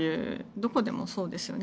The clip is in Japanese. どこでもそうですよね。